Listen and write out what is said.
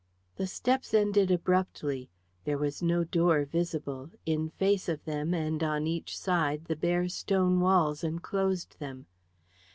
The steps ended abruptly; there was no door visible; in face of them and on each side the bare stone walls enclosed them.